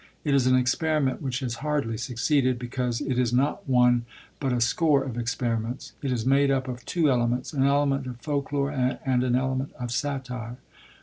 It is an experiment which has hardly succeeded, because it is not one but a score of experiments. It is made up of two elements, an element of folklore and an element of satire.